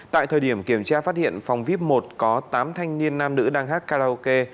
tại thời điểm kiểm tra phát hiện phòng vip một có tám thanh niên nam nữ đang hát karaoke